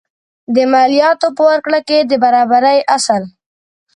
د مالیاتو په ورکړه کې د برابرۍ اصل.